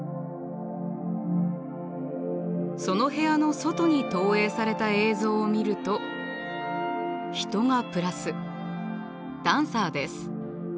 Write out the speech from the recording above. その部屋の外に投影された映像を見ると人がプラスダンサーです。